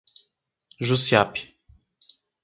Jussiape